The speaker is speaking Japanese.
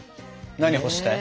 何干したい？